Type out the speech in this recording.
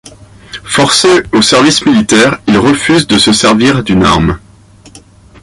Forcé au service militaire, il refuse de se servir d'une arme.